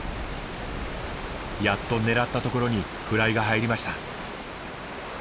やっと狙った所にフライが入りました。